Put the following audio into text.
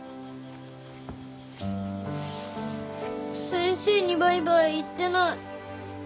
先生にバイバイ言ってない。